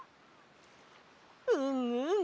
うんうん。